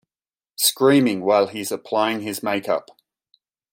Screaming while he's applying his makeup.